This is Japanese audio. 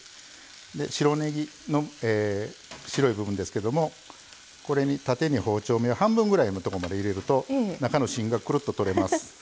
白ねぎの白い部分ですけどもこれに縦に包丁半分ぐらいのとこまで入れると中の芯がくるっと取れます。